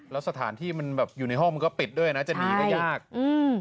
แล้วสถานที่มันแบบอยู่ในห้องมันก็ปิดด้วยนะจะหนีก็ยากอืม